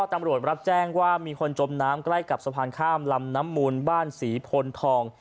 ตำรวจรับแจ้งว่ามีคนจมน้ำใกล้กับสะพานข้ามลำน้ำมูลบ้านศรีพลทอง